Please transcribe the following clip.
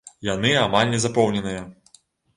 Яны амаль не запоўненыя.